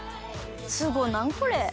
すごい何これ。